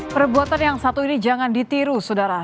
perbuatan yang satu ini jangan ditiru sudara